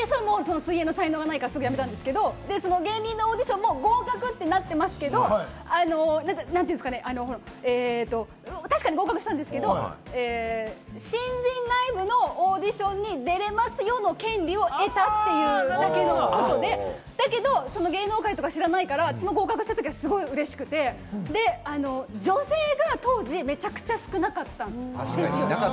水泳の才能がないからやめたんですけれども、合格となってますけど、なんというか、確かに合格したんですけど、新人ライブのオーディションに出れますよという権利を得たというだけのことで、だけど芸能界とか知らないから、その合格した時はすごく嬉しくて、女性が当時めちゃくちゃ少なかったんですよ。